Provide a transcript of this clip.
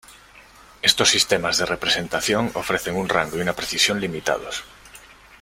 Estos sistemas de representación ofrecen un rango y una precisión limitados.